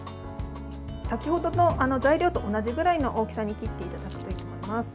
先ほどの材料と同じぐらいの大きさに切っていただくといいと思います。